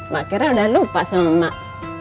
mak kira udah lupa sama mak